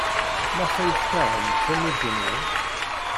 Maɣef ay tkeṛhemt tamurt-nwent?